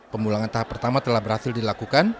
pemulangan tahap pertama telah berhasil dilakukan